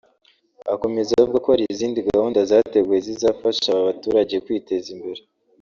Akomeza avuga ko hari izindi gahunda zateguwe zizafasha aba baturage kwiteza imbere